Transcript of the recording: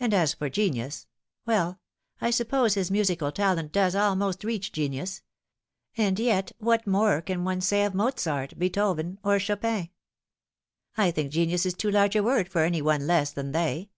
And as for genius well, I suppose his musical talent does almost reach genius ; and yet what more can one say of Mozart, Beethoven, or Cho pin ? I think genius is too large a word for any one less than they."